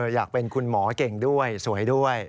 อยากเป็นคุณหมอเก่งด้วยสวยด้วย